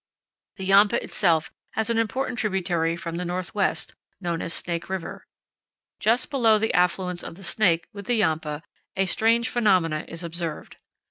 The Yampa itself has an important tributary from the northwest, known as Snake River. Just below the affluence of the Snake with the Yampa a strange phenomenon is observed.